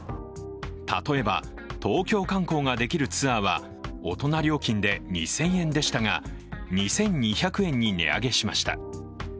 例えば東京観光ができるツアーは大人料金で２０００円でしたが２２００円に値上げしました。